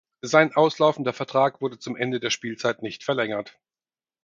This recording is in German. Sein auslaufender Vertrag wurde zum Ende der Spielzeit nicht verlängert.